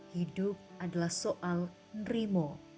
hidup adalah soal nerimo